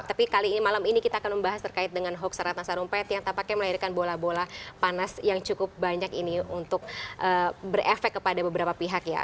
tapi kali ini malam ini kita akan membahas terkait dengan hoax ratna sarumpait yang tampaknya melahirkan bola bola panas yang cukup banyak ini untuk berefek kepada beberapa pihak ya